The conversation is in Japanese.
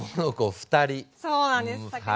そうなんです昨年。